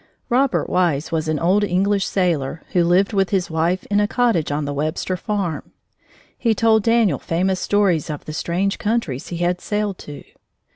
Robert Wise was an old English sailor, who lived with his wife in a cottage on the Webster farm. He told Daniel famous stories of the strange countries he had sailed to.